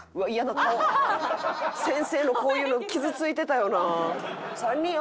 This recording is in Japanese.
先生のこういうの傷ついてたよな。